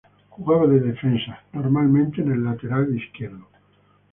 Jugaba de defensa, normalmente en el lateral izquierdo.